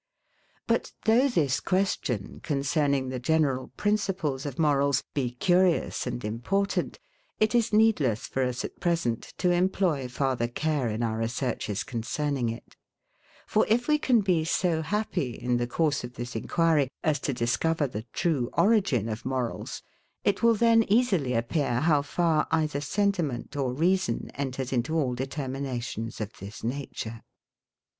But though this question, concerning the general principles of morals, be curious and important, it is needless for us, at present, to employ farther care in our researches concerning it. For if we can be so happy, in the course of this enquiry, as to discover the true origin of morals, it will then easily appear how far either sentiment or reason enters into all determinations of this nature [Footnote: See Appendix I].